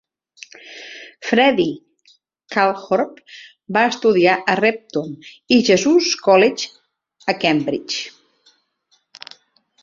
Freddie Calthorpe va estudiar a Repton i Jesus College, a Cambridge.